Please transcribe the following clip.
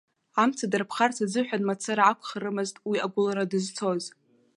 Амца дарԥхарц азыҳәан мацара акәхарымызт уи агәылара дызцоз.